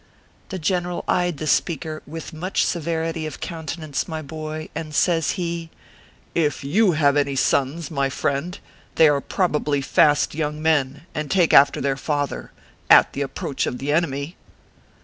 The general eyed the speaker with much severity of countenance, my boy, and says he :" If you have any sons, my friend, they are proba bly fast young men, and take after their father at the approach of the enemy."